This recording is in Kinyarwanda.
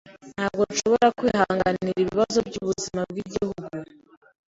Ntabwo nshobora kwihanganira ibibazo byubuzima bwigihugu.